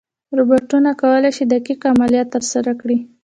روبوټونه کولی شي دقیق عملیات ترسره کړي.